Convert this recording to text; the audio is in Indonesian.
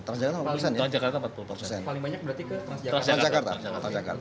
paling banyak berarti ke transjakarta